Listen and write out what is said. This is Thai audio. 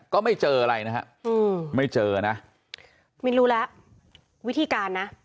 ก็ไม่เจออะไรนะฮะอืมไม่เจอนะไม่รู้แล้ววิธีการนะ